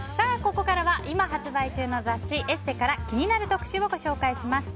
ここからは今、発売中の雑誌「ＥＳＳＥ」から気になる特集をご紹介します。